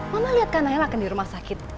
mama liat kak naila kan di rumah sakit